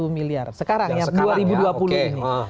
lima puluh satu miliar sekarang ya dua ribu dua puluh ini